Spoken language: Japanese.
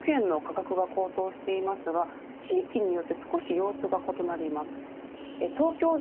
特に首都圏の価格が高騰していますが地域によって少し様子が異なります。